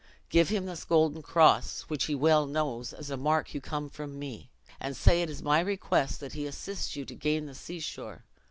Give him this golden cross, which he well knows, as a mark you come from me; and say it is my request that he assist you to gain the sea shore.